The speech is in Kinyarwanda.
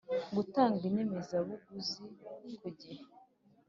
gutanga inyemezabuguzi kugihe